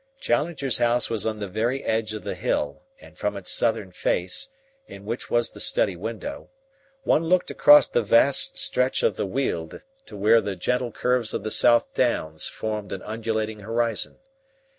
Challenger's house was on the very edge of the hill, and from its southern face, in which was the study window, one looked across the vast stretch of the weald to where the gentle curves of the South Downs formed an undulating horizon.